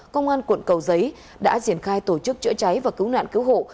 công an quận cầu giấy đã triển khai tổ chức chữa cháy và cứu nạn cứu hộ